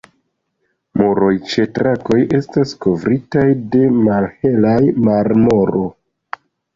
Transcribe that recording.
Muroj ĉe trakoj estas kovritaj de malhela marmoro.